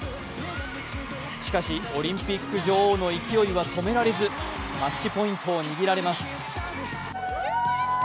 しかし、オリンピック女王の勢いは止められず、マッチポイントを握られます。